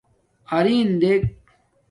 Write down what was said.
اَرین دݵک.